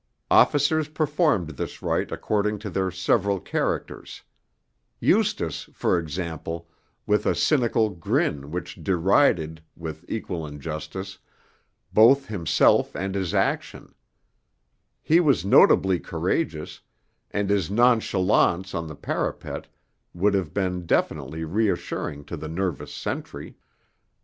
Officers performed this rite according to their several characters: Eustace, for example, with a cynical grin which derided, with equal injustice, both himself and his action; he was notably courageous, and his nonchalance on the parapet would have been definitely reassuring to the nervous sentry.